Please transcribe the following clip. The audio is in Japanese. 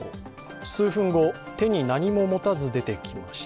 数分後、手に何も持たず出てきました。